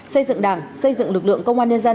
xây dựng đảng xây dựng lực lượng công an nhân dân